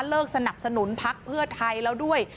สนับสนุนพักเพื่อไทยแล้วด้วย